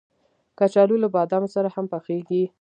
کچالو له بادامو سره هم پخېږي